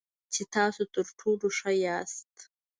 چې تاسو تر ټولو ښه یاست .